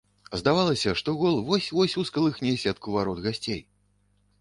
Здавалася, што гол вось-вось ускалыхне сетку варот гасцей.